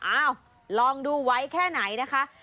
อ้าวลองดูไว้แค่ไหนนะคะ